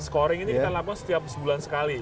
scoring ini kita lakukan setiap sebulan sekali